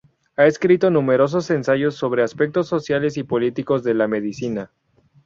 Ha escrito numerosos ensayos sobre aspectos sociales y políticos de la medicina.